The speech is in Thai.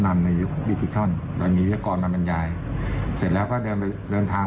นำในยุคพิสิกท้อนมันก่อนมาบรรยายเสร็จแล้วก็เดินทาง